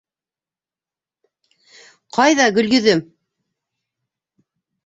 — Ҡайҙа Гөлйөҙөм?